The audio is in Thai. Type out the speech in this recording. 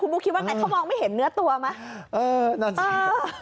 บุ๊คคิดว่าไงเขามองไม่เห็นเนื้อตัวไหม